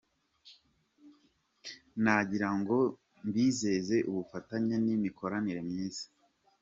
Nagira ngo mbizeze ubufatanye n’imikoranire myiza.